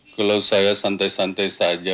kalau saya santai santai saja